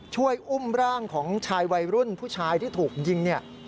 ช่วยอุ้มร่างของชายวัยรุ่นผู้ชายที่ถูกยิงเนี่ย